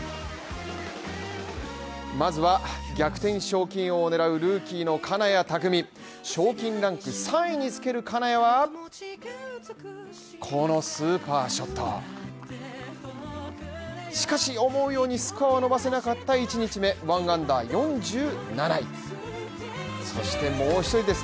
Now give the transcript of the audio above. まずは、逆転賞金王を狙うルーキーの金谷拓実、賞金ランク３位につける金谷はこのスーパーショットしかし思うようにスコアを伸ばせなかった１日目１アンダー４７位です。